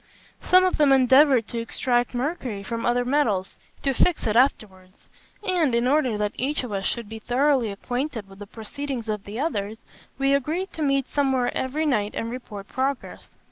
Some of them endeavoured to extract mercury from other metals, to fix it afterwards; and, in order that each of us should be thoroughly acquainted with the proceedings of the others, we agreed to meet somewhere every night and report progress.